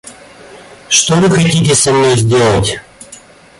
Что вы хотите со мной сделать?